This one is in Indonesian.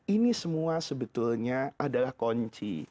ini semua sebetulnya adalah kunci